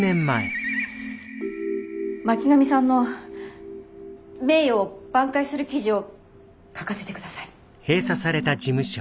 巻上さんの名誉を挽回する記事を書かせて下さい。